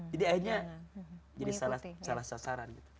jadi akhirnya jadi salah sasaran gitu